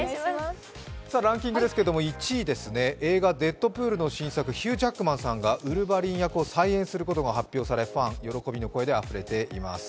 ランキングですけれども、１位、映画「デッドプール」の新作、ヒュー・ジャックマンさんがウルヴァリン役を再演することが発表され、ファン喜びの声であふれています。